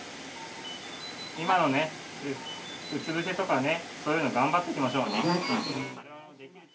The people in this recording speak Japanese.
今のうつ伏せとかね、そういうので頑張っていきましょうね。